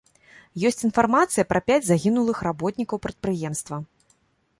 Ёсць інфармацыя пра пяць загінулых работнікаў прадпрыемства.